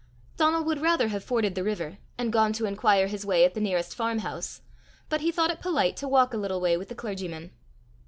Donal would rather have forded the river, and gone to inquire his way at the nearest farm house, but he thought it polite to walk a little way with the clergyman.